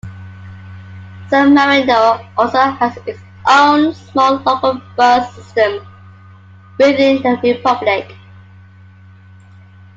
San Marino also has its own small local bus system within the republic.